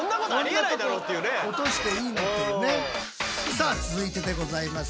さあ続いてでございます。